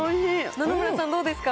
野々村さん、どうですか。